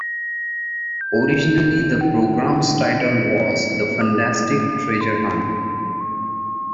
Originally, the program's title was "The Funtastic Treasure Hunt".